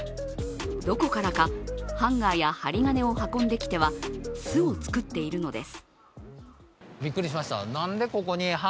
どこからかハンガーや針金を運んできては巣を作っているのです。